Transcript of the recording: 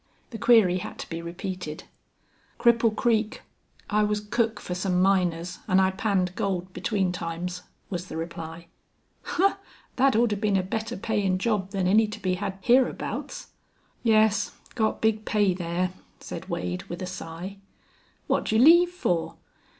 The query had to be repeated. "Cripple Creek. I was cook for some miners an' I panned gold between times," was the reply. "Humph! Thet oughter been a better payin' job than any to be hed hereabouts." "Yes, got big pay there," said Wade, with a sigh. "What'd you leave fer?"